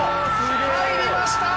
入りました！